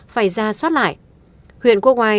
phải ra soát lại huyện quốc ngoài